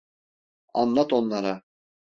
Anlat onlara.